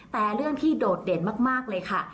แต่เรื่องที่โดดเด่นมากเลยค่ะ